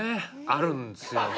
あるんですよね。